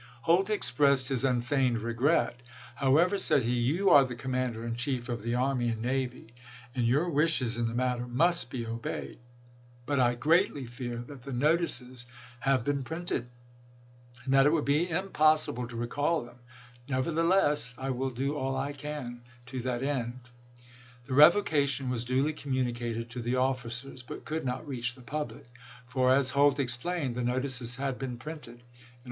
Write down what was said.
Holt ex pressed his unfeigned regret. " However," said he, "you are the Commander in Chief of the army and navy, and your wishes in the matter must be obeyed. But I greatly fear that the notices have been printed, and that it will be impossible to re call them ; nevertheless, I will do all I can to that end." The revocation was duly communicated to the officers, but could not reach the public, for, as Holt explaioed, the notices had been printed; and on i86i.